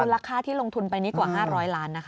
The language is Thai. คือราคาที่ลงทุนไปนิดกว่า๕๐๐ล้านนะครับ